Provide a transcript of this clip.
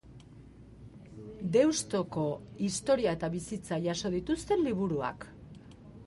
Deustuko historia eta bizitza jaso dituzten liburuak.